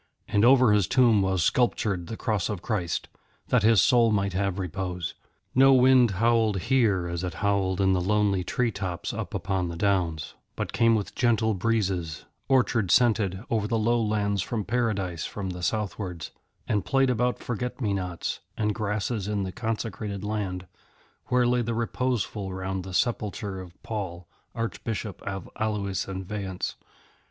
And over his tomb was sculptured the Cross of Christ, that his soul might have repose. No wind howled here as it howled in lonely tree tops up upon the downs, but came with gentle breezes, orchard scented, over the low lands from Paradise from the southwards, and played about forget me nots and grasses in the consecrated land where lay the Reposeful round the sepulchre of Paul, Archbishop of Alois and Vayence.